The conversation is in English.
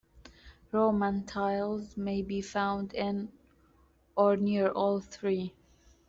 Roman tiles may be found in or near all three.